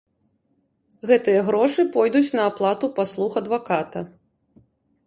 Гэтыя грошы пойдуць на аплату паслуг адваката.